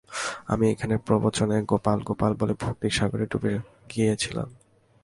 আমি ওখানে প্রবচনে গোপাল গোপাল বলে ভক্তির সাগরে ডুবে গিয়েছিলাম।